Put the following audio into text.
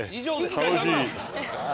楽しい。